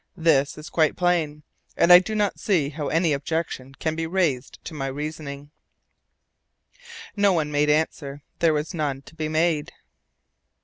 This is quite plain, and I do not see how any objection can be raised to my reasoning." No one made answer: there was none to be made.